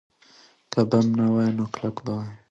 که بم نه وای، نو کلک به وای.